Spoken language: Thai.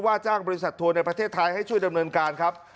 จ้างบริษัททัวร์ในประเทศไทยให้ช่วยดำเนินการครับ